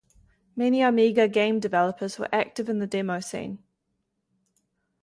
Many Amiga game developers were active in the demo scene.